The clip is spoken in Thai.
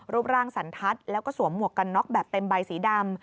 รูปร่างสันทัศน์แล้วก็สวมหมวกกันน็อกแบบเต็มใบสีดำ